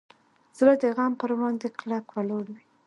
زړه د غم پر وړاندې کلک ولاړ وي.